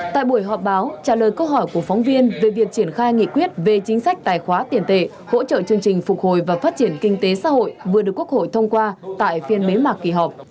tại buổi họp báo trả lời câu hỏi của phóng viên về việc triển khai nghị quyết về chính sách tài khoá tiền tệ hỗ trợ chương trình phục hồi và phát triển kinh tế xã hội vừa được quốc hội thông qua tại phiên bế mạc kỳ họp